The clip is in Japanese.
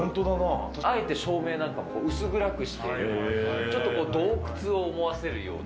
あえて照明なんかも薄暗くして、ちょっと洞窟を思わせるような。